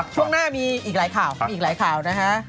ช่วงหน้ามีอีกหลายข่าวมีอีกหลายข่าวนะฮะ